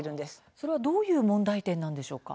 それはどういう問題点でしょうか。